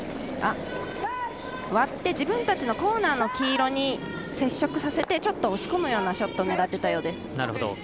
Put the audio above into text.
割って自分たちのコーナーの黄色に接触させてちょっと押し込むようなショットを狙っていたようです。